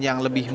yang lebih mudik